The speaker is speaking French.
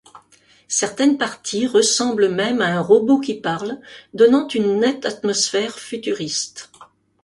Certaines parties ressemblent même à un robot qui parle, donnant une nette atmosphère futuriste.